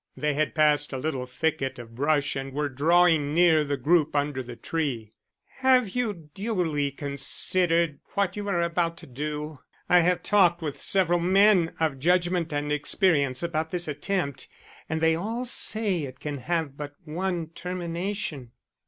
They had passed a little thicket of brush and were drawing near the group under the tree. "Have you duly considered what you are about to do? I have talked with several men of judgment and experience about this attempt, and they all say it can have but one termination."